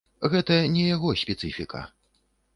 Гэта не яго спецыфіка.